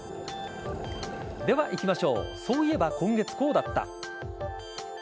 では、いきましょうそういえば今月こうだった。